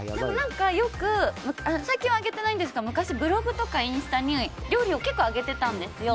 最近は上げてないんですが昔、ブログとかインスタに料理を結構上げてたんですよ。